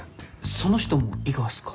その人も伊賀っすか？